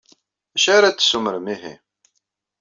D acu ara d-tessumrem, ihi?